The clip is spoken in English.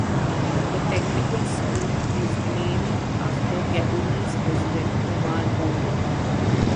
The technical school is named after Gabonese President Omar Bongo.